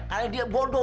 karena dia bodoh